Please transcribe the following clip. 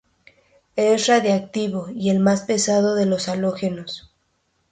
Es radiactivo y el más pesado de los halógenos.